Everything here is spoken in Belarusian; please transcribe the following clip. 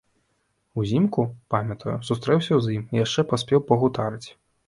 Узімку, памятаю, сустрэўся з ім і яшчэ паспеў пагутарыць.